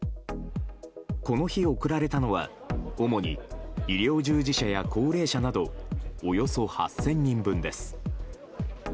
この日、送られたのは主に医療従事者や高齢者などおよそ８０００人分です。